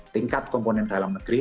tingkat komponen dalam negeri